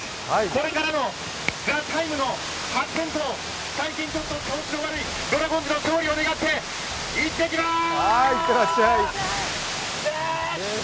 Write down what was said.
これからの「ＴＨＥＴＩＭＥ，」の発展と、最近ちょっと調子の悪いドラゴンズの勝利を願って、いってきます！